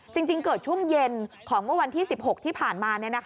จริงเกิดช่วงเย็นของเมื่อวันที่๑๖ที่ผ่านมา